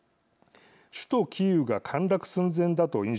首都キーウが陥落寸前だと印象